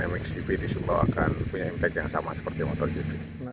mxgp disumbawakan punya impact yang sama seperti motor gp